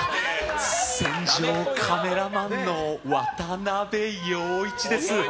戦場カメラマンの渡部陽一です。